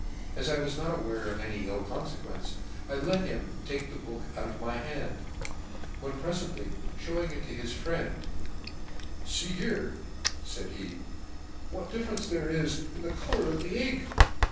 As I was " not aware of any ill confequence, I let him " take the book out of my hand : when prefently " fhewing it to his friend, See here, (faid he) <f what difference there is in the colour of the "fame ink!"